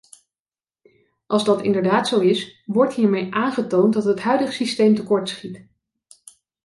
Als dat inderdaad zo is, wordt hiermee aangetoond dat het huidige systeem tekort schiet.